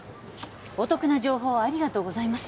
お得な情報ありがとうございます